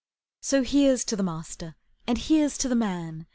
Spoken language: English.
So here's to the master, And here's to the man!